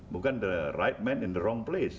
bukan orang yang tepat di tempat yang salah